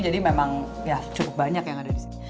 jadi memang ya cukup banyak yang ada di sini